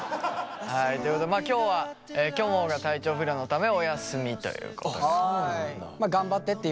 はいということで今日はきょもが体調不良のためお休みということで。